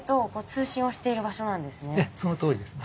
ええそのとおりですね。